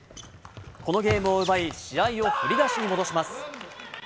このゲームを奪い、試合を振り出しに戻します。